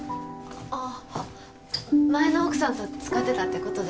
あっ前の奥さんと使ってたって事だよね？